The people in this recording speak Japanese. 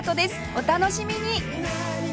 お楽しみに！